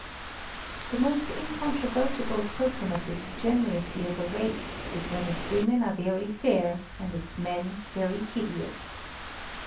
The most incontrovertible token of the degeneracy of a race is when its women are very fair and its men very hideous.